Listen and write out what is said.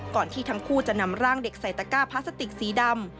ที่ทั้งคู่จะนำร่างเด็กใส่ตะก้าพลาสติกสีดำ